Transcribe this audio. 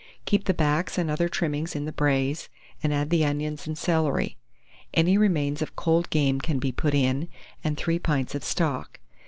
Keep the backs and other trimmings in the braise, and add the onions and celery; any remains of cold game can be put in, and 3 pints of stock.